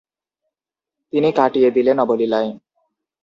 তিনি কাটিয়ে দিলেন অবলীলায়।